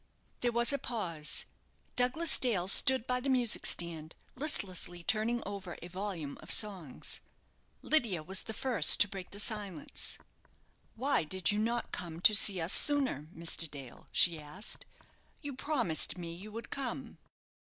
There was a pause. Douglas Dale stood by the music stand, listlessly turning over a volume of songs. Lydia was the first to break the silence. "Why did you not come to see us sooner, Mr. Dale?" she asked. "You promised me you would come."